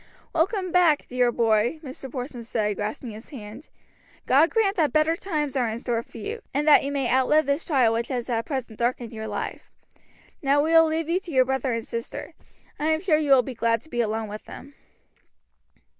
"Welcome back, dear boy!" Mr. Porson said, grasping his hand. "God grant that better times are in store for you, and that you may outlive this trial which has at present darkened your life. Now we will leave you to your brother and sister. I am sure you will be glad to be alone with them."